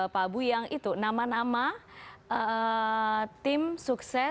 pak abu yang itu nama nama tim sukses